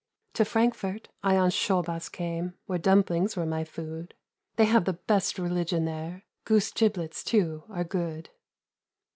"To Frankfort I on Schobbas came, Where dumplings were my food. They have the best religion there: Goose giblets, too, are good.